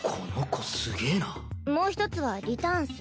もう一つはリターンっス。